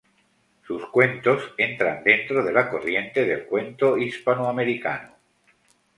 Sus cuentos entran dentro de la corriente del cuento hispanoamericano.